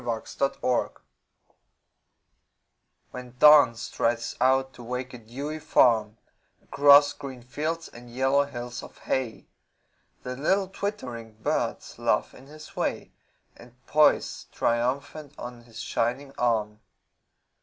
Alarm Clocks When Dawn strides out to wake a dewy farm Across green fields and yellow hills of hay The little twittering birds laugh in his way And poise triumphant on his shining arm.